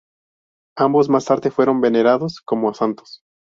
Ambos más tarde fueron venerados como santos.